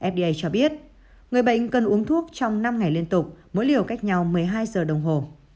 fda cho biết người bệnh cần uống thuốc trong năm ngày liên tục mỗi liều cách nhau một mươi hai giờ đồng hồ